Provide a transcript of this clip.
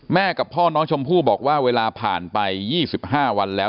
กับพ่อน้องชมพู่บอกว่าเวลาผ่านไป๒๕วันแล้ว